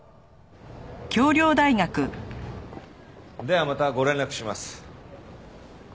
ではまたご連絡します。